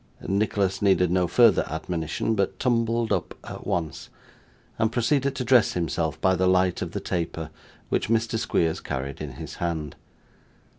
Nicholas needed no further admonition, but 'tumbled up' at once, and proceeded to dress himself by the light of the taper, which Mr. Squeers carried in his hand.